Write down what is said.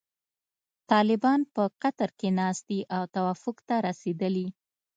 طالبان په قطر کې ناست دي او توافق ته رسیدلي.